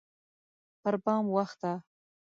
پربام وخته